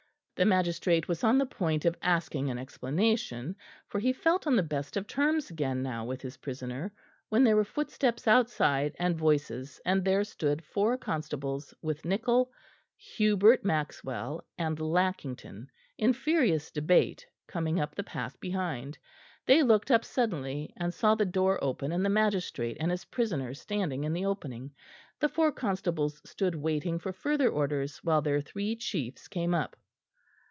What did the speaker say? The magistrate was on the point of asking an explanation, for he felt on the best of terms again now with his prisoner, when there were footsteps outside and voices; and there stood four constables, with Nichol, Hubert Maxwell and Lackington in furious debate coming up the path behind. They looked up suddenly, and saw the door open and the magistrate and his prisoner standing in the opening. The four constables stood waiting for further orders while their three chiefs came up.